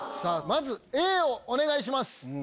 まずＡをお願いします。